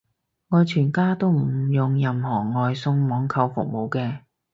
我全家都唔用任何外送網購服務嘅